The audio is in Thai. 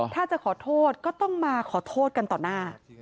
ถ้าจะขอโทษก็ต้องมาขอโทษกันต่อหน้า